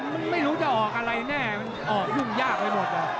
มันไม่รู้จะออกอะไรแน่มันออกยุ่งยากไปหมด